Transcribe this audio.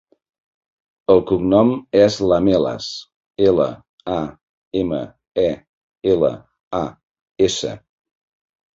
El cognom és Lamelas: ela, a, ema, e, ela, a, essa.